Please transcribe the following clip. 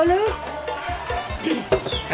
สวัสดีค่ะ